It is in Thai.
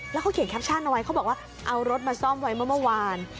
แล้วเขาเขียนแคปชั่นเอาไว้เขาบอกว่าเอารถมาซ่อมไว้เมื่อเมื่อวาน